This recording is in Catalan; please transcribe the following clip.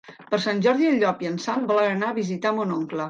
Per Sant Jordi en Llop i en Sam volen anar a visitar mon oncle.